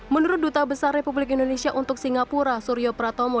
menurut duta besar republik indonesia untuk singapura suryo pratomo